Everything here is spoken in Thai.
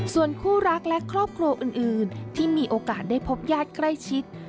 ส่วนคู่รักและครอบครัวอื่นที่มีโอกาสได้พบญาติใกล้ชิด